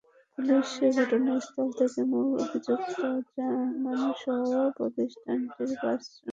Police ঘটনাস্থল থেকে মূল অভিযুক্ত জামানসহ প্রতিষ্ঠানটির পাঁচ শ্রমিককে আটক করেছে।